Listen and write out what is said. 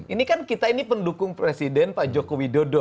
ini kan kita ini pendukung presiden pak joko widodo